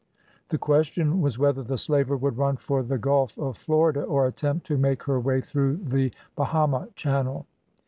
The question was whether the slaver would run for the Gulf of Florida, or attempt to make her way through the Bahama Channel.